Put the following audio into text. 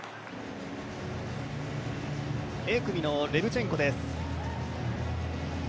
Ａ組のレブチェンコです。